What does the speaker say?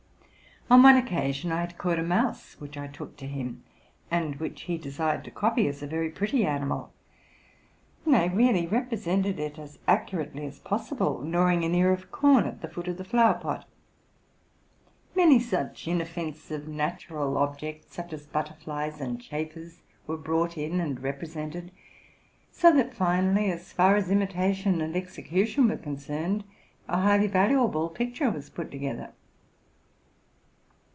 On one occasion I had caught a mouse, which I took to him, and which he desired to copy as a very pretty animal; nay, really represented it, as accurately as possible, gnawing an ear of corn at the foot of the flower pot. Many such inoffensive natural ob jects, such as butterflies and chafers, were brought in and represented ; so that finally, as far as imitation and execu tion were concerned, a highly valuable picture was put together.